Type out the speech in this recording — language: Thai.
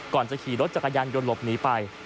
ก่อนจะขี่รถจักรยานยนต์หลบหนีไป